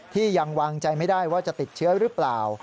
ยังวางใจไม่ได้ว่าจะติดเชื้อหรือเปล่า